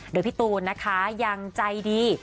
โดยพี่ตูนนะคะยังใจดี